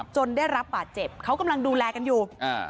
ได้รับบาดเจ็บเขากำลังดูแลกันอยู่